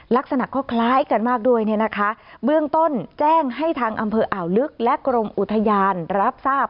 ลักษณะก็คล้ายกันมากด้วยเนี่ยนะคะเบื้องต้นแจ้งให้ทางอำเภออ่าวลึกและกรมอุทยานรับทราบ